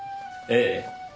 ええ。